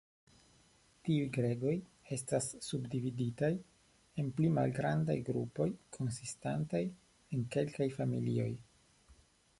Tiuj gregoj estas subdividitaj en pli malgrandaj grupoj konsistantaj el kelkaj familioj.